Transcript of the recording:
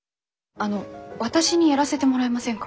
あの私にやらせてもらえませんか？